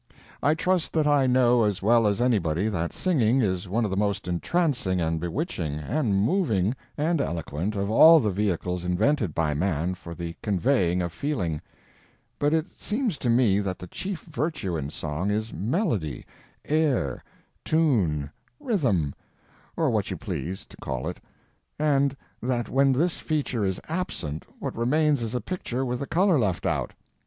I trust that I know as well as anybody that singing is one of the most entrancing and bewitching and moving and eloquent of all the vehicles invented by man for the conveying of feeling; but it seems to me that the chief virtue in song is melody, air, tune, rhythm, or what you please to call it, and that when this feature is absent what remains is a picture with the color left out.